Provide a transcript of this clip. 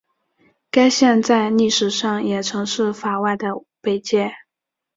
该线在历史上也曾是法外的北界。